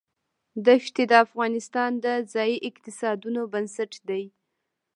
دښتې د افغانستان د ځایي اقتصادونو بنسټ دی.